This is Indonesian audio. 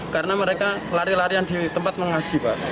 karena mereka lari larian di tempat mengaji pak